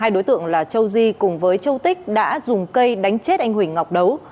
hai đối tượng là châu di cùng với châu tích đã dùng cây đánh chết anh huỳnh ngọc đấu